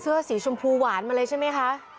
เสื้อสีชมพูหวานมาเลยใช่ไหมคะ